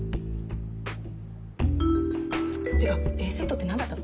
てかＡセットってなんだったの？